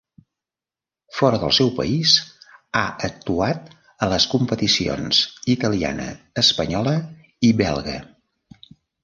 Fora del seu país, ha actuat a les competicions italiana, espanyola i belga.